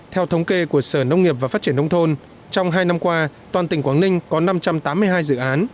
theo thống kê của sở nông nghiệp và phát triển nông thôn trong hai năm qua toàn tỉnh quảng ninh có năm trăm tám mươi hai dự án